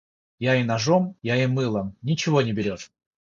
Я и ножом, я и мылом - ничего не берет.